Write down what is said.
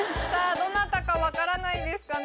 どなたか分からないですかね？